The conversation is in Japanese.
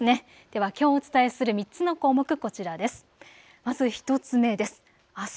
ではきょうお伝えする３つの項目こちらです。